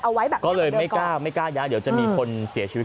เอาไว้แบบนี้ก็เลยไม่กล้าไม่กล้าย้ายเดี๋ยวจะมีคนเสียชีวิต